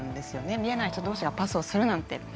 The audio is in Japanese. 見えない人同士がパスをするなんてって。